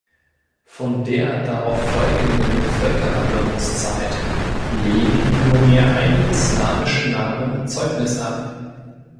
Von der darauf folgenden Völkerwanderungszeit legen nur mehr einige slawische Namen Zeugnis ab.